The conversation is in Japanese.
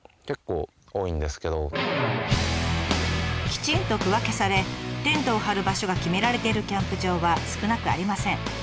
きちんと区分けされテントを張る場所が決められているキャンプ場は少なくありません。